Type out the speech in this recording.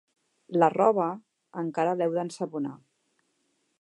La roba, encara l'heu d'ensabonar.